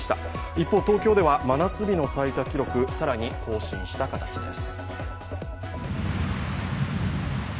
一方、東京では真夏日の最多記録、更に更新した形です。